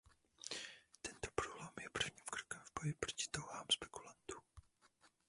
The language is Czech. Tento průlom je prvním krokem v boji proti touhám spekulantů.